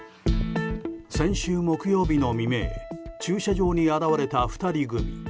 先週木曜日の未明駐車場に現れた２人組。